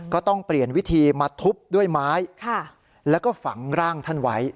ก็ต้องเปลี่ยนวิธีมาทุบด้วยไม้แล้วก็ฝังร่างท่านไว้